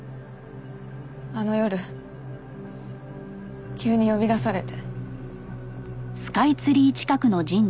あの夜急に呼び出されて。